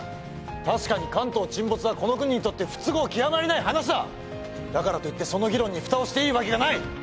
確かに関東沈没はこの国にとって不都合極まりない話だだからといってその議論にふたをしていいわけがない！